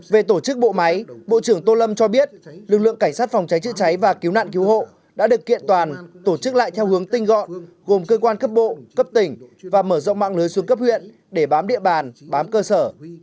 về tổ chức bộ máy bộ trưởng tô lâm cho biết lực lượng cảnh sát phòng cháy chữa cháy và cứu nạn cứu hộ đã được kiện toàn tổ chức lại theo hướng tinh gọn gồm cơ quan cấp bộ cấp tỉnh và mở rộng mạng lưới xuống cấp huyện để bám địa bàn bám cơ sở